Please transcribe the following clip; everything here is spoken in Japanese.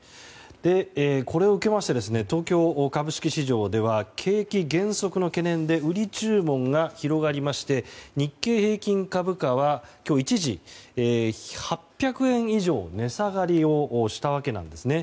これを受けて東京株式市場では景気減速の懸念で売り注文が広がりまして日経平均株価は今日、一時８００円以上値下がりをしたわけなんですね。